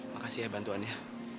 makasih ya bantuannya